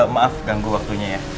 maaf ganggu waktunya ya